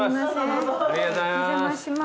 お邪魔します。